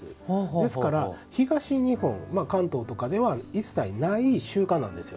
ですから、東日本、関東とかでは一切ない習慣なんですよ。